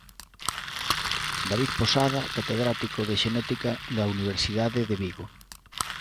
David Posada, catedrático de Xenética da Universidade de Vigo.